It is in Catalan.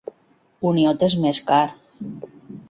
Un iot és més car.